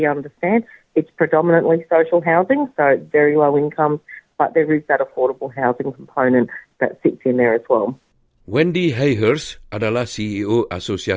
jadi dalam hal yang kita pahami itu rumah sosial yang berharga rendah tapi ada komponen rumah yang berharga rendah yang juga berada di dalamnya